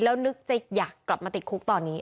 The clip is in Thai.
แล้วนึกจะอยากกลับมาติดคุกตอนนี้